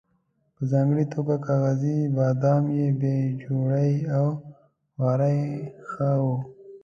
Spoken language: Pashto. په ځانګړې توګه کاغذي بادام یې بې جوړې او خورا ښه وو.